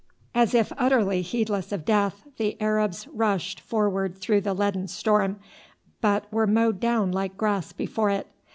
"] As if utterly heedless of death the Arabs rushed forward through the leaden storm, but were mowed down like grass before it.